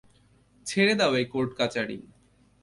ছেড়ে দাও এই কোর্ট কাচারি।